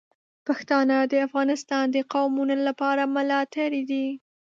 پښتانه د افغانستان د قومونو لپاره ملاتړي دي.